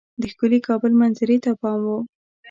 د ښکلي کابل منظرې ته پام وو.